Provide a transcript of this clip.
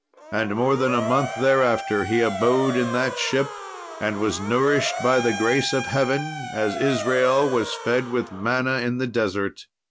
And more than a month thereafter he abode in that ship and was nourished by the grace of Heaven, as Israel was fed with manna in the desert.